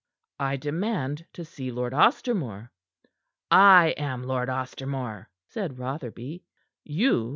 "I demand to see Lord Ostermore." "I am Lord Ostermore," said Rotherby. "You?